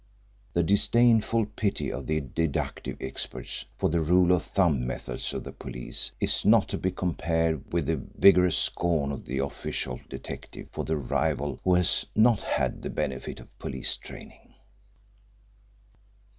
The disdainful pity of the deductive experts for the rule of thumb methods of the police is not to be compared with the vigorous scorn of the official detective for the rival who has not had the benefit of police training.